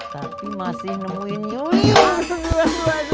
tapi masih nemuin yuyun